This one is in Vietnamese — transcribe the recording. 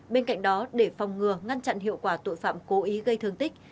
bên cạnh đó để phòng ngừa ngăn chặn hiệu quả tội phạm cố ý gây thương tích